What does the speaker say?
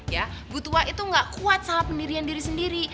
ya butua itu gak kuat sama pendirian diri sendiri